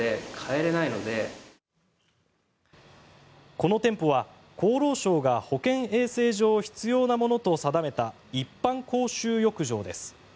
この店舗は厚労省が保健衛生上必要なものと定めた一般公衆浴場です。